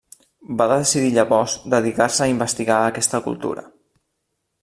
Va decidir llavors dedicar-se a investigar aquesta cultura.